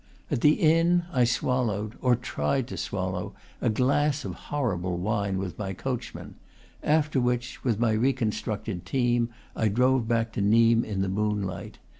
At the inn I swallowed, or tried to swallow,a glass of horrible wine with my coach man; after which, with my reconstructed team, I drove back to Nimes in the moonlight.